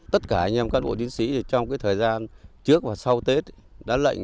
tất cả anh em các bộ tiến sĩ trong thời gian trước và sau tết đã lệnh